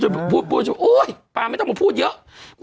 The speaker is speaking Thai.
พูดพูดพูดโอ้ยปากไม่ต้องกับพูดเยอะ